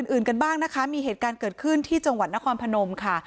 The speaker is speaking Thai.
อื่นกันบ้างนะคะมีเหตุการณ์เกิดขึ้นที่จังหวัดนครพนมค่ะ